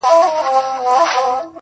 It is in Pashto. زه د بـلا سـره خـبري كـوم.